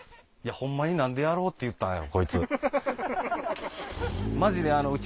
ホンマに何でやろう！って言ったんやろ？